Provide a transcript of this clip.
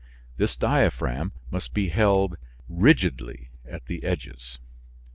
This diaphragm must be held rigidly at the edges.